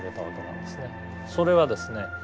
それはですね